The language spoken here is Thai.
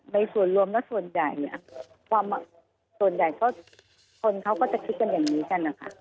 ในส่วนรวมแล้วส่วนใหญ่คนเขาก็จะคิดกันอย่างนี้กันนะคะ